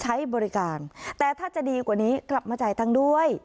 ใช้บริการแต่ถ้าจะดีกว่านี้กลับมาจ่ายตังค์ด้วย